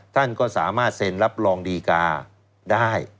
ท่านก็สามารถเซ็นรับรองดีกาได้